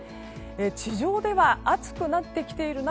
地上では暑くなってきている中